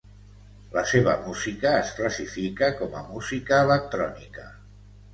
La seva música es classifica com a música electrònica.